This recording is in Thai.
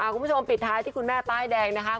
คุณผู้ชมปิดท้ายที่คุณแม่ป้ายแดงนะคะ